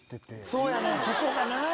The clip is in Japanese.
そうやねんそこがな。